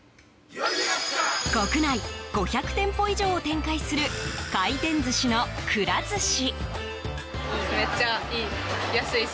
国内５００店舗以上を展開する回転寿司の、くら寿司。